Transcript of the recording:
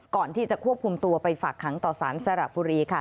ก่อนที่จะควบคุมตัวไปฝากขังต่อสารสระบุรี